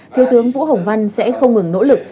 thiếu tướng vũ hồng văn sẽ không ngừng nỗ lực